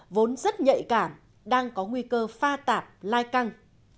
vốn rất nhạy cảm đang có nguy cơ pha tạp lai căng